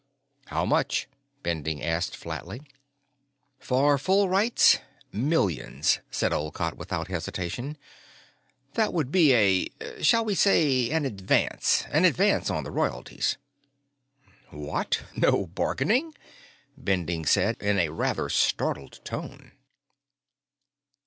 "How much?" Bending asked flatly. "For full rights millions," said Olcott without hesitation. "That would be a ... shall we say, an advance ... an advance on the royalties." "What, no bargaining?" Bending said, in a rather startled tone.